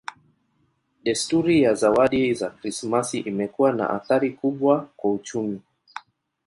Desturi ya zawadi za Krismasi imekuwa na athari kubwa kwa uchumi.